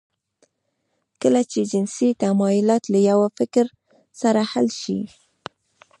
کله چې جنسي تمایلات له یوه فکر سره حل شي